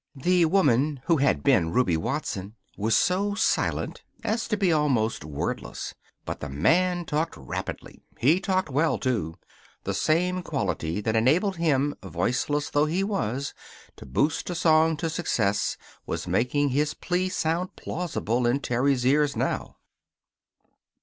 The woman who had been Ruby Watson was so silent as to be almost wordless. But the man talked rapidly. He talked well, too. The same quality that enabled him, voiceless though he was, to boost a song to success was making his plea sound plausible in Terry's ears now.